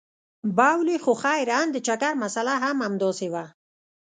بولې خو خير ان د چکر مساله هم همداسې وه.